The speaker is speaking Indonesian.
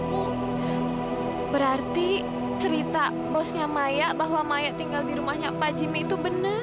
bu berarti cerita bosnya maya bahwa maya tinggal di rumahnya pak jimmy itu benar